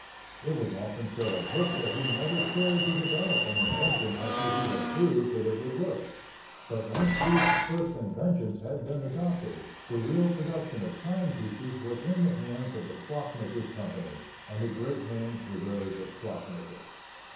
It was often said of Hooke that he never cared to develop an invention after he had proved that it would work. But once these first inventions had been adopted, the real production of timepieces was in the hands of the Clock makers' Company, and the great names were those of clock makers.